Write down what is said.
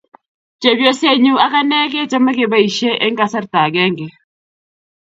chepyosenyu ak anee kechome kebaishe eng kasarta agenge